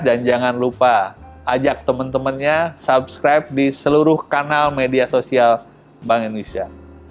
dan jangan lupa ajak temen temennya subscribe di seluruh kanal media sosial bank indonesia